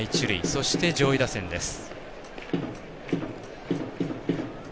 そして、上位打線です。